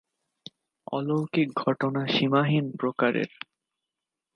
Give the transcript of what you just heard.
অলৌকিক ঘটনা সীমাহীন প্রকারের।